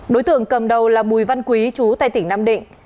đối tượng cầm đầu là bùi văn quý chú tại tỉnh nam định